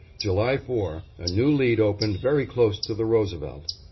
July 4, a new lead opened very close to the Roosevelt.